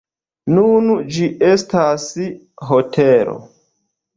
Nun ĝi estas hotelo.